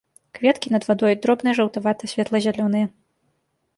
Кветкі над вадой, дробныя жаўтавата-светла-зялёныя.